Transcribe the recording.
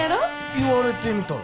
言われてみたら。